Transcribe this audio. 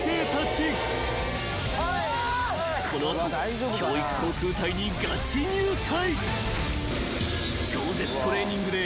［この後教育航空隊にがち入隊］